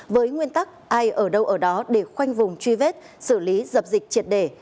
với nguyên tắc ai ở đâu ở đó để khoanh vùng truy vết xử lý dập dịch triệt đề